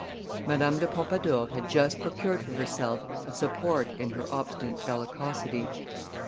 Madame de Pompadour had just procured for herself a support in her obstinate bellicosity.